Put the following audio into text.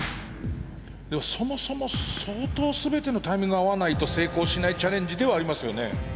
そもそも相当全てのタイミングが合わないと成功しないチャレンジではありますよね。